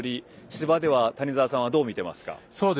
芝では谷澤さんはどう見ていますか。